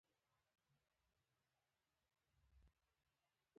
سمو وزنونو خرڅوي کنه.